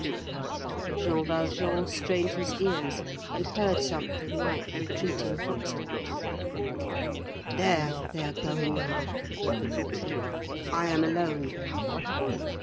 _ Jean Valjean strained his ears, and heard something like retreating footsteps. "There, they are going now," thought he. "I am alone."